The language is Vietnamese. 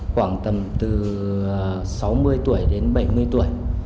khoảng tầm từ sáu mươi tuổi đến bảy mươi tuổi